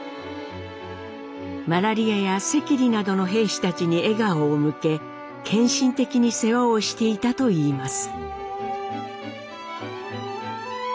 マラリアや赤痢などの兵士たちに笑顔を向け献身的に世話をしていたといいます。